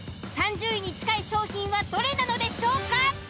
３０位に近い商品はどれなのでしょうか。